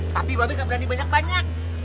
tapi babi gak berani banyak banyak